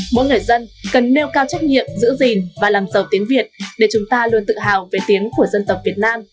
mỗi người dân cần nêu cao trách nhiệm giữ gìn và làm giàu tiếng việt để chúng ta luôn tự hào về tiếng của dân tộc việt nam